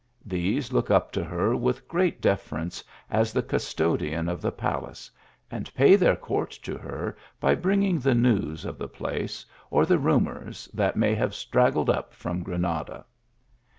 These look up to her with great deference as the custodian of the palace, and pay their court to her by bringing the news of the place, or the rumours that may have straggled up from Granada.